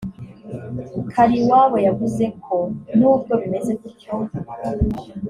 Kaliwabo yavuze ko nubwo bimeze gutyo